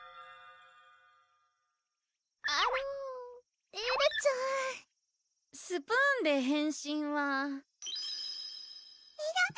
あのエルちゃんスプーンで変身はえるっ